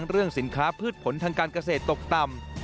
เรื่องสินค้าพืชผลทางการเกษตรตกต่ำ